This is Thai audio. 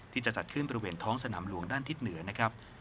ที่จะจัดขึ้นบริเวณท้องสนามหลวงด้านทิศเหนือนะครับ